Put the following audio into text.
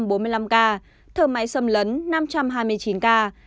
thở máy xâm lấn năm trăm hai mươi chín ca